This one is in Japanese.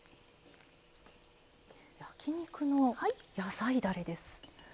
焼き肉の野菜だれです。